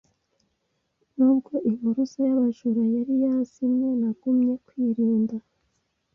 nubwo impuruza y’abajura yari yazimye nagumye kwirinda.